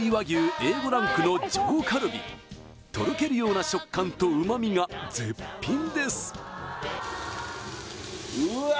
Ａ５ランクの上カルビとろけるような食感と旨みが絶品ですうわ